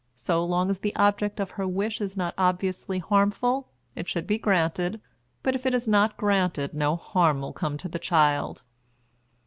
So long as the object of her wish is not obviously harmful, it should be granted; but if it is not granted no harm will come to the child.